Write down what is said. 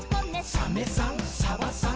「サメさんサバさん